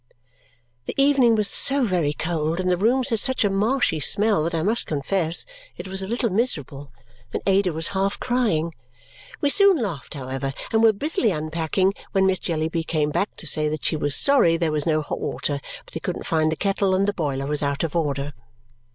The evening was so very cold and the rooms had such a marshy smell that I must confess it was a little miserable, and Ada was half crying. We soon laughed, however, and were busily unpacking when Miss Jellyby came back to say that she was sorry there was no hot water, but they couldn't find the kettle, and the boiler was out of order.